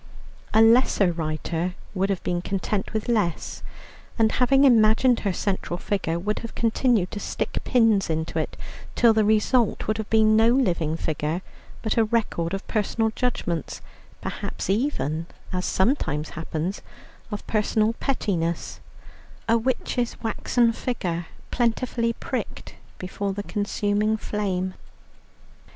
A lesser writer would have been content with less, and having imagined her central figure would have continued to stick pins into it, till the result would have been no living figure, but a record of personal judgments, perhaps even, as sometimes happens, of personal pettiness, a witch's waxen figure plentifully pricked before the consuming flame.